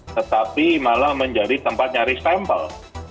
tetapi malah menjadi tempat nyaris tempel